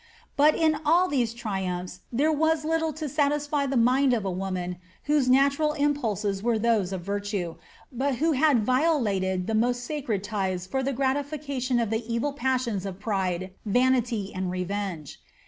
But in all these triumphs there was little to satisfy the mind of a woman whose natural impulses were those of virtue, but who bad violated the most sacred ties for the gratification of the evil passions of pride, vanity and revenge.